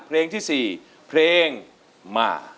เพลงที่๔เพลงมา